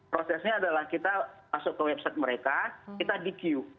prosesnya adalah kita masuk ke website mereka kita di q